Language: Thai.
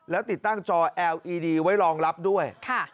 แล้วติดตั้งจอเอลอีดีไว้รองรับด้วย